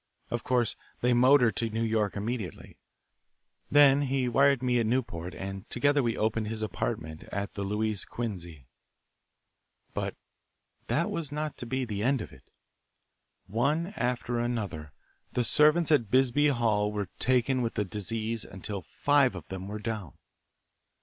Of course they motored to New York immediately, then he wired to me at Newport, and together we opened his apartment at the Louis Quinze. "But that was not to be the end of it. One after another, the servants at Bisbee Hall were taken with the disease until five of them were down.